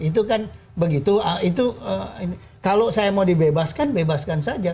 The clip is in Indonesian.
itu kan begitu itu kalau saya mau dibebaskan bebaskan saja